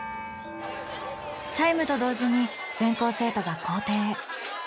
チャイムと同時に全校生徒が校庭へ。